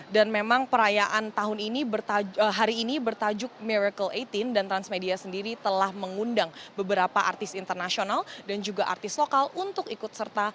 dan memang perayaan tahun ini bertajuk miracle delapan belas dan transmedia sendiri telah mengundang beberapa artis internasional dan juga artis lokal untuk ikut serta